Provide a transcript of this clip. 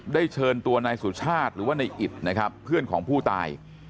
เชิญตัวนายสุชาติหรือว่าในอิตนะครับเพื่อนของผู้ตาย